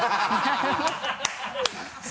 ハハハ